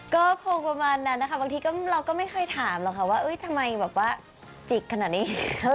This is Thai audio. ก็คงประมาณนั้นนะคะบางทีเราก็ไม่เคยถามหรอกค่ะว่าทำไมแบบว่าจิกขนาดนี้